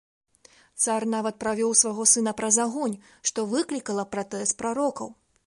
Цар нават правёў свайго сына праз агонь, што выклікала пратэст прарокаў.